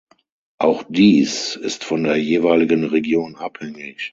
Auch dies ist von der jeweiligen Region abhängig.